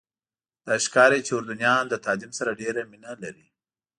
داسې ښکاري چې اردنیان له تعلیم سره ډېره مینه لري.